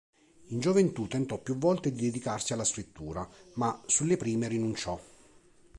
In gioventù tentò più volte di dedicarsi alla scrittura, ma sulle prime rinunciò.